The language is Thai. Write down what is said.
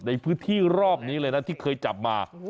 ในพื้นที่รอบนี้เลยนะที่เคยจับมา